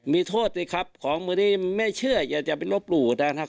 มีโทษครับของมันนี่ไม่เชื่ออยากจะเป็นโลกปรุ่น